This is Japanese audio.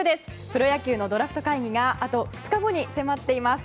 プロ野球のドラフト会議があと２日後に迫っています。